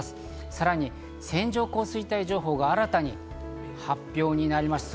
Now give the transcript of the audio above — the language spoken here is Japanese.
さらに線状降水帯情報が新たに発表になりました。